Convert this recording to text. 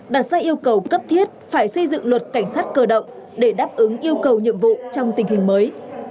đặt ra yêu cầu cấp thiết phải xây dựng luật cảnh sát cơ động để đáp ứng yêu cầu nhiệm vụ trong tình hình mới